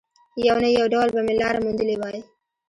يو نه يو ډول به مې لاره موندلې وای.